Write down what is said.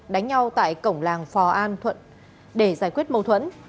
đánh nhau tại cổng làng phò an thuận để giải quyết mâu thuẫn